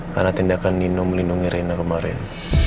karena tindakan nino melindungi rena kemarin